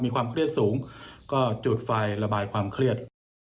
ความเครียดสูงก็จุดไฟระบายความเครียด